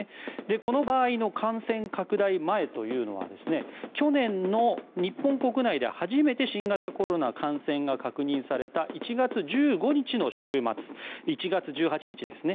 この前の感染拡大前というのは去年、日本国内で初めて新型コロナ感染が確認された１月１５日の週末１月１８日ですね。